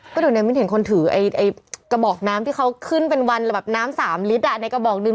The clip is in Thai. ถ้าดูเนี่ยเนี่ยเห็นคนถือกระบอกน้ำที่เขาขึ้นเป็นวันแบบน้ำ๓ลิตรในกระบอกนึง